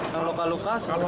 kalau luka luka seperti apa